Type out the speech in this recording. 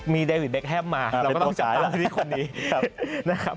มีเดวิดเบคแฮมมาพวกสายล่ะไปต้องจับตาที่คนนี้